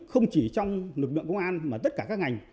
không chỉ trong lực lượng công an mà tất cả các ngành